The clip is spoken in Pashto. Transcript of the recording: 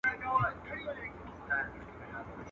پر تندیو به د پېغلو اوربل خپور وي.